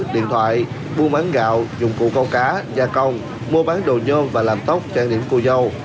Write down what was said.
điện thoại buôn bán gạo dụng cụ câu cá gia công mua bán đồ nhôm và làm tóc trang điểm cô dâu